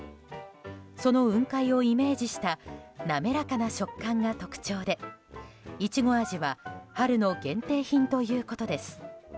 その雲海をイメージした滑らかな食感が特徴でイチゴ味は春の限定品ということです。